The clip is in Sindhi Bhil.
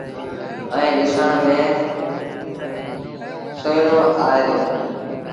ائيٚݩ ڏسڻ ميݩ سُوئيڻون آئي دو۔